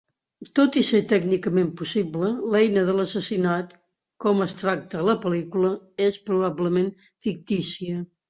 Tot i ser tècnicament possible, l'eina de l'assassinat com es tracta a la pel·lícula és probablement fictícia.